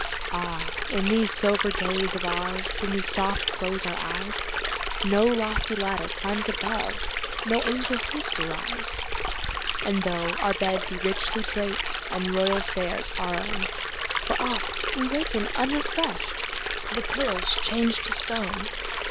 Ah, in these sober days of oursWhen we soft close our eyes, No lofty ladder climbs above, No angel hosts arise. And tho our bed be richly drapedAnd royal fares our own, For oft we waken unrefreshed—The pillow's changed to stone!